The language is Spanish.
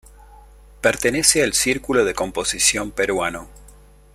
Pertenece al Círculo de Composición Peruano.